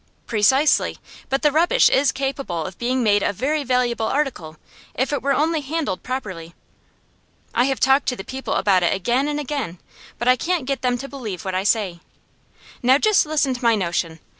'Precisely, but the rubbish is capable of being made a very valuable article, if it were only handled properly. I have talked to the people about it again and again, but I can't get them to believe what I say. Now just listen to my notion.